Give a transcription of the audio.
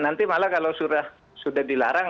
nanti malah kalau sudah dilarang